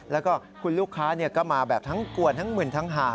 แล้วก็คุณลูกค้าก็มาแบบทั้งกวนทั้งมึนทั้งหา